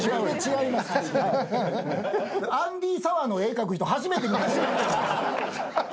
アンディ・サワーの絵描く人初めて見ました。